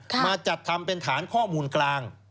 มาจัดทำเป็นฐานข้อมูลกลาง